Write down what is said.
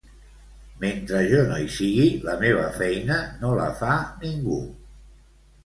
Mentre jo no hi sigui la meva feina no la fa ningú